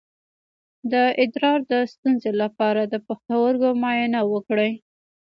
د ادرار د ستونزې لپاره د پښتورګو معاینه وکړئ